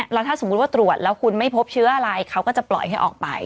แล้วถ้าสมมุติว่าตรวจแล้วคุณไม่พบเชื้ออะไรเขาก็จะปล่อยให้ออกไป